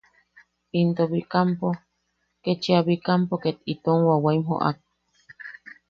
Into Bikampo, kechia Bikampo ket itom wawaim joʼak.